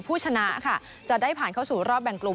ผู้ชนะค่ะจะได้ผ่านเข้าสู่รอบแบ่งกลุ่ม